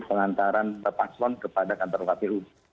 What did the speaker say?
pengantaran pak slon kepada kantor kpu